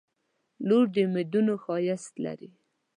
• لور د امیدونو ښایست لري.